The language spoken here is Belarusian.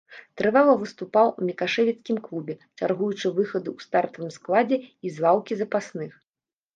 Трывала выступаў у мікашэвіцкім клубе, чаргуючы выхады ў стартавым складзе і з лаўкі запасных.